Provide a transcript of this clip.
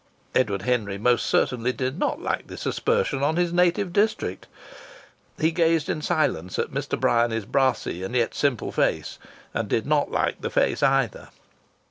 Edward Henry most certainly did not like this aspersion on his native district. He gazed in silence at Mr. Bryany's brassy and yet simple face, and did not like the face either.